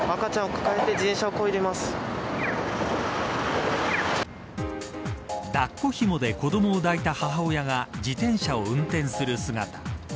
抱っこひもで子どもを抱いた母親が自転車を運転する姿。